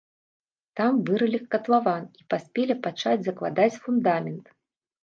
Там вырылі катлаван і паспелі пачаць закладаць фундамент.